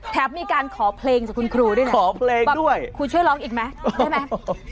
แถบมีการขอเพลงกับคุณครูด้วยแบบคุณช่วยร้องอีกไหมได้ไหม